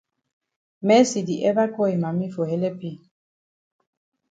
Mercy di ever call yi mami for helep yi.